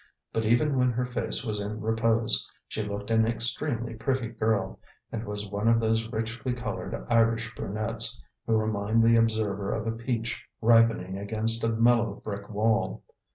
But even when her face was in repose, she looked an extremely pretty girl, and was one of those richly coloured Irish brunettes, who remind the observer of a peach ripening against a mellow brick wall.